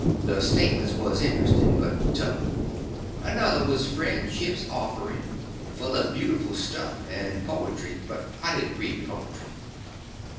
The statements was interesting, but tough. Another was Friendship's Offering, full of beautiful stuff and poetry; but I didn't read the poetry.